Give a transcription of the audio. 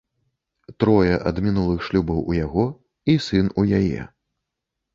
Трое ад мінулых шлюбаў у яго і сын у яе.